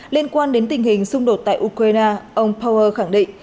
liên quan đến tình hình xung đột tại ukraine ông power khẳng định